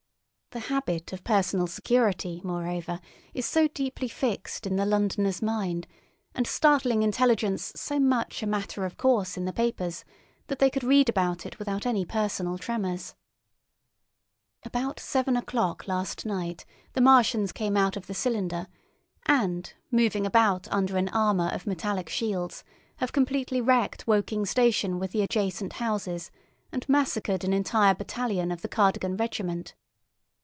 The habit of personal security, moreover, is so deeply fixed in the Londoner's mind, and startling intelligence so much a matter of course in the papers, that they could read without any personal tremors: "About seven o'clock last night the Martians came out of the cylinder, and, moving about under an armour of metallic shields, have completely wrecked Woking station with the adjacent houses, and massacred an entire battalion of the Cardigan Regiment.